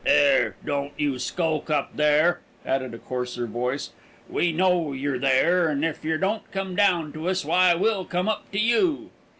"'Ere, don't you skulk up there!" added a coarser voice. "We know y'er there; and if yer don't come down to us, why, we'll come up to you!"